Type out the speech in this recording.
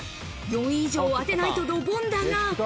４位以上を当てないとドボンだが。